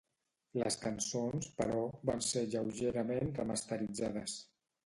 Les cançons, però, van ser lleugerament remasteritzades.